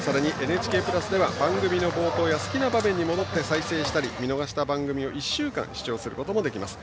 「ＮＨＫプラス」では番組の冒頭や好きな場面に戻って再生したり見逃した番組を１週間視聴できます。